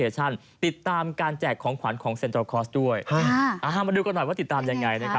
ชอบมากค่ะเพิ่งเปิดเส็นทรั